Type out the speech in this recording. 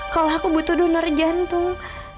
kalau aku butuh donor jantung